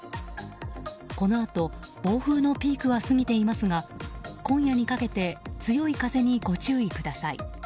このあと暴風のピークは過ぎていますが今夜にかけて強い風にご注意ください。